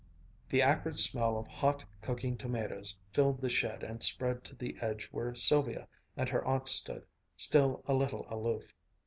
The acrid smell of hot, cooking tomatoes filled the shed and spread to the edge where Sylvia and her aunt stood, still a little aloof.